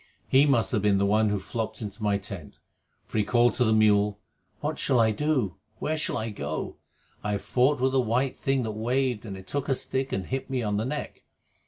He must have been the one that flopped into my tent, for he called to the mule, "What shall I do? Where shall I go? I have fought with a white thing that waved, and it took a stick and hit me on the neck."